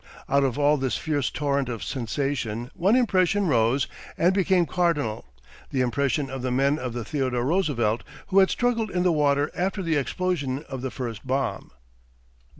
Out of all this fierce torrent of sensation one impression rose and became cardinal the impression of the men of the Theodore Roosevelt who had struggled in the water after the explosion of the first bomb.